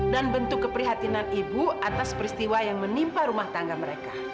dan bentuk keprihatinan ibu atas peristiwa yang menimpa rumah tangga mereka